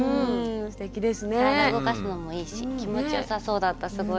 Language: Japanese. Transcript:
体動かすのもいいし気持ちよさそうだったすごい。